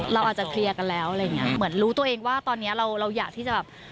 เราอาจจะเคลียร์กันแล้วอะไรอย่างเงี้ยเหมือนรู้ตัวเองว่าตอนเนี้ยเราเราอยากที่จะแบบ